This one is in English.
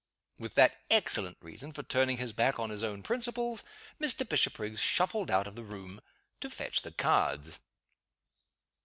'" With that excellent reason for turning his back on his own principles, Mr. Bishopriggs shuffled out of the room to fetch the cards.